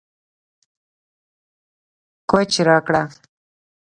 کوچ راکړه